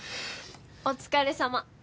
・お疲れさま。